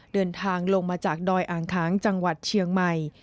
เดินทางลงมาจากดอยอ่างค้างจังหวัดเชียงใหม่